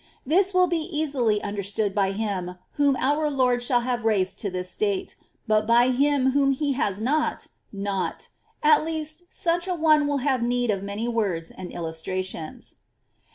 This will be easily understood by him whom our Lord shall have raised to this state ; but by him whom He has not, not ; at least, such a one will have need of many words and illustrations.